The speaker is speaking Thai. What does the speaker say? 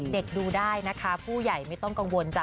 ดูได้นะคะผู้ใหญ่ไม่ต้องกังวลจ้ะ